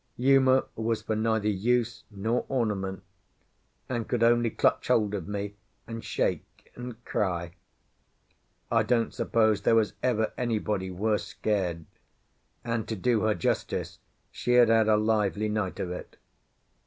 Uma was for neither use nor ornament, and could only clutch hold of me and shake and cry. I don't suppose there was ever anybody worse scared, and, to do her justice, she had had a lively night of it.